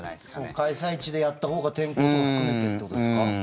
開催地でやったほうが天候も含めてってことですか？